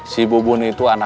si bu bun itu anaknya